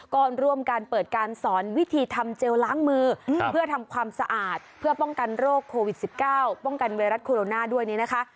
ก็ร่วมการเปิดการสอนวิธีทำเจลล้างมือเพื่อทำความสะอาดเพื่อป้องกันโรคโควิด๑๙ป้องกันไวรัสโคโรนาด้วยนี้นะคะ